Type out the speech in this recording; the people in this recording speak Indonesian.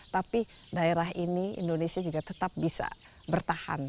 tapi daerah ini indonesia juga tetap bisa bertahan